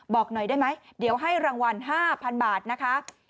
บอกหน่อยได้ไหมเดี๋ยวให้รางวัล๕๐๐๐บาทนะคะ